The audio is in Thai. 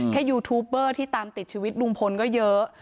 ยูทูปเบอร์ที่ตามติดชีวิตลุงพลก็เยอะ